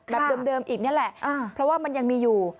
แบบเดิมอีกนี่แหละเพราะว่ามันยังมีอยู่